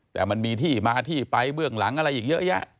แต่มันมีที่มาที่ไปเบื้องหลังอะไรอีกเยอะแยะ